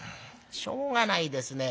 「しょうがないですね。